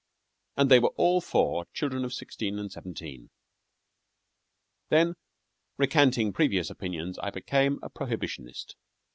And they were all four children of sixteen and seventeen. Then, recanting previous opinions, I became a prohibitionist.